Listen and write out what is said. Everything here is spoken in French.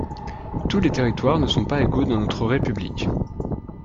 Tous les territoires ne sont pas égaux dans notre République.